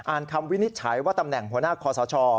คำวินิจฉัยว่าตำแหน่งหัวหน้าคอสช